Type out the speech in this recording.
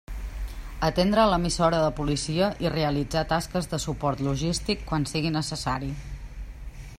Atendre l'emissora de policia i realitzar tasques de suport logístic quan sigui necessari.